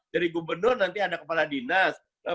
dari gubernur nanti ada kepala dinas